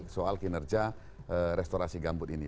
soal kinerja restorasi gambut ini